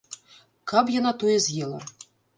Каб яна тое з'ела!